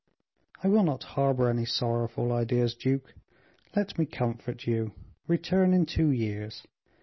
"I will not harbor any sorrowful ideas, duke. Let me comfort you; return in two years.